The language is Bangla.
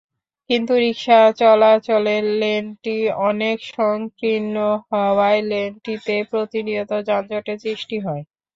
কিন্তু রিকশা চলাচলের লেনটি অনেক সংকীর্ণ হওয়ায় লেনটিতে প্রতিনিয়ত যানজটের সৃষ্টি হয়।